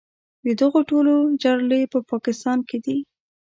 د دغو ټولو جرړې په پاکستان کې دي.